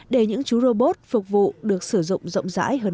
để những chú robot phục vụ được sử dụng rộng rãi hơn